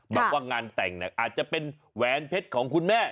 บอกว่างานแต่งอาจจะเป็นแหวนเพชรของคุณแม่